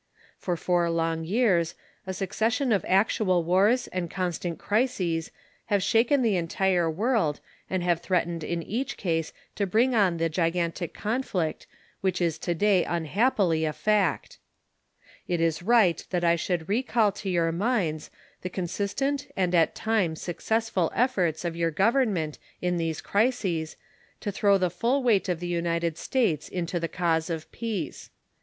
For four long years a succession of actual wars and constant crises have shaken the entire world and have threatened in each case to bring on the gigantic conflict which is today unhappily a fact. It is right that I should recall to your minds the consistent and at time successful efforts of your government in these crises to throw the full weight of the United States into the cause of peace.